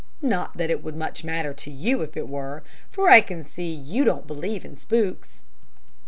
"Not that it would much matter to you if it were, for I can see you don't believe in spooks."